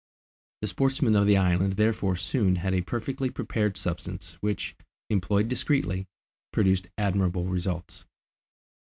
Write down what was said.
The sportsmen of the island therefore soon had a perfectly prepared substance, which, employed discreetly, produced admirable results.